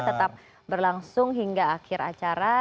tetap berlangsung hingga akhir acara